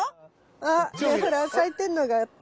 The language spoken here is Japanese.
あほら咲いてんのがあった。